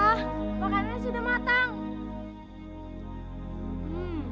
wah makannya sudah matang